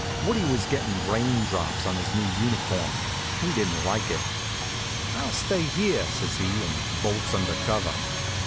Woodie was gettin' rain drops on his new uniform, and he didn't like it. "I'll stay here," says he, and bolts under cover.